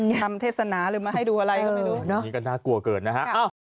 ทำเทศนาหรือมาให้ดูอะไรก็ไม่รู้อันนี้ก็น่ากลัวเกินนะฮะ